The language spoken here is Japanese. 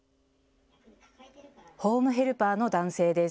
ホームヘルパーの男性です。